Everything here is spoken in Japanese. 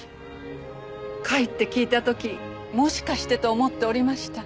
甲斐って聞いた時もしかしてと思っておりました。